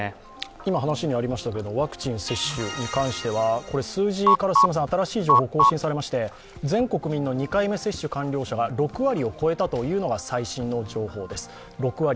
今、話にありましたけれども、ワクチン接種に関しては数字から新しい情報が更新されまして全国民の２回目接種完了者は６割を超えたというのが、最新の情報です。